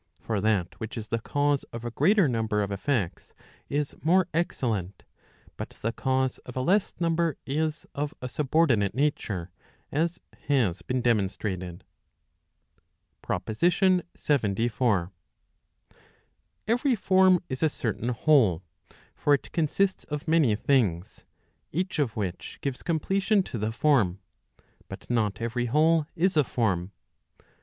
For that which is the cause of a greater number of effects is more excellent; but the cause of a leSs number is of a subordi¬ nate nature, as has been demonstrated. , t PROPOSITION LXXIV. livery form is a certain whole; for it consists of many things, each of which gives completion to the form. But not every whole is a form.